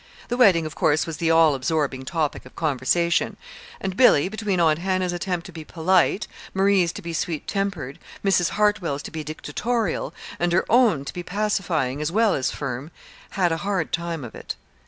The wedding, of course, was the all absorbing topic of conversation; and Billy, between Aunt Hannah's attempts to be polite, Marie's to be sweet tempered, Mrs. Hartwell's to be dictatorial, and her own to be pacifying as well as firm, had a hard time of it.